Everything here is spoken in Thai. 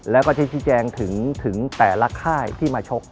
แล้วก็ที่ชี้แจงถึงแต่ละค่ายที่มาชก